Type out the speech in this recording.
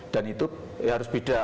dan itu harus beda